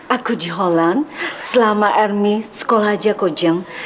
aku di holland selama ermy sekolah aja kojeng